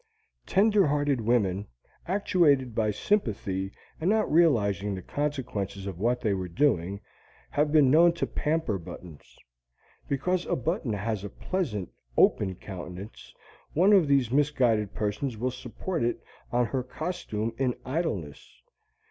Tender hearted women, actuated by sympathy and not realizing the consequences of what they were doing, have been known to pamper buttons. Because a button has a pleasant, open countenance, one of these misguided persons will support it on her costume in idleness.